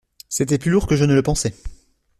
C’était plus lourd que je ne le pensais.